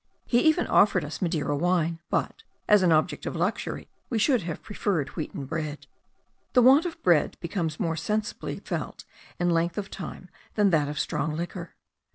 He even offered us Madeira wine, but, as an object of luxury, we should have preferred wheaten bread. The want of bread becomes more sensibly felt in length of time than that of a strong liquor.